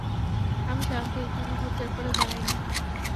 আমি সাধারণত এই কথা প্রচার করে বেড়াই না।